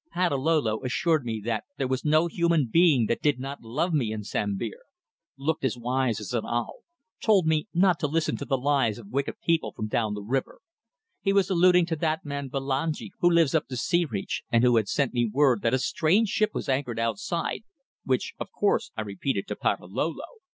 Patalolo assured me that there was no human being that did not love me in Sambir. Looked as wise as an owl. Told me not to listen to the lies of wicked people from down the river. He was alluding to that man Bulangi, who lives up the sea reach, and who had sent me word that a strange ship was anchored outside which, of course, I repeated to Patalolo.